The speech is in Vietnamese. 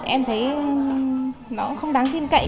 em thấy nó không đáng tin cậy